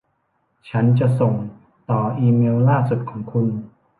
ฉันจะส่งต่ออีเมลล่าสุดของคุณ